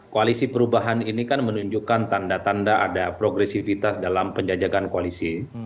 koalisi perubahan ini kan menunjukkan tanda tanda ada progresivitas dalam penjajakan koalisi